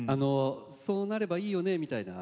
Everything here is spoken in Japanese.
そうなればいいよねみたいな。